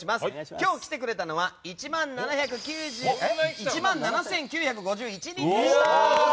今日来てくれたのは１万７９５１人でした！